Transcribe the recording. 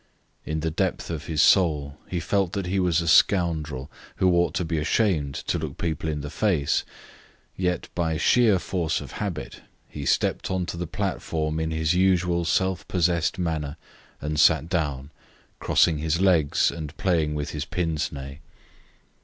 In the depth of his soul he felt that he was a scoundrel, who ought to be ashamed to look people in the face, yet, by sheer force of habit, he stepped on to the platform in his usual self possessed manner, and sat down, crossing his legs and playing with his pince nez.